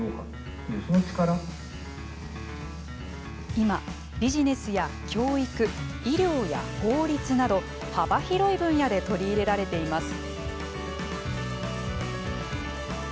今、ビジネスや教育医療や法律など幅広い分野で取り入れられています。